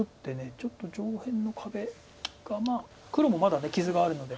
ちょっと上辺の壁がまあ黒もまだ傷があるので。